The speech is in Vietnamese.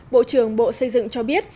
bộ trưởng bộ xây dựng cho biết